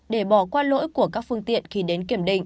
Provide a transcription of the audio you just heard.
để bỏ qua lỗi của các phương tiện khi đến kiểm định